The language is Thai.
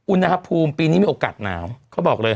อุณหภูมิปีนี้มีโอกาสหนาวเขาบอกเลย